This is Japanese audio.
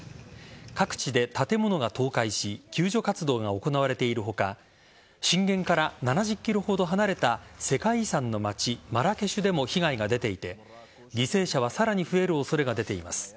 各地で建物が倒壊し救助活動が行われている他震源から７０ｋｍほど離れた世界遺産の街・マラケシュでも被害が出ていて犠牲者はさらに増える恐れが出ています。